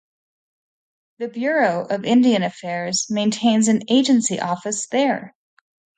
The Bureau of Indian Affairs maintains an agency office there.